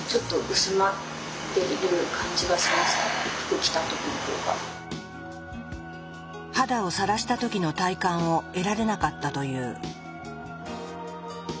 響きが肌をさらした時の体感を得られなかったという。